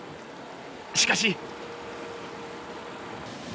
しかし。